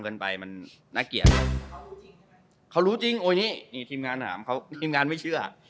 เกินไปมันน่าเกลียดจริงเขารู้จริงโอ้ยนี่นี่ทีมงานถามเขาทีมงานไม่เชื่อ